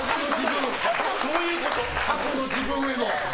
過去の自分への。